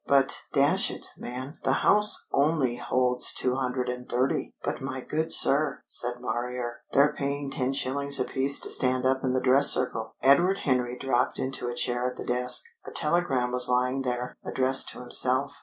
"But, dash it, man, the house only holds two hundred and thirty!" "But my good sir," said Marrier, "they're paying ten shillings a piece to stand up in the dress circle." Edward Henry dropped into a chair at the desk. A telegram was lying there, addressed to himself.